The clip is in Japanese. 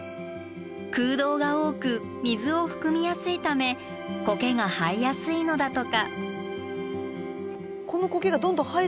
空洞が多く水を含みやすいためコケが生えやすいのだとか。